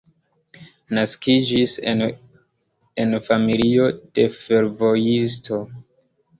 Naskiĝis en en familio de fervojisto.